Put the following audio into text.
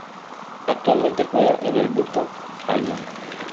Actualmente juega en el Burton Albion.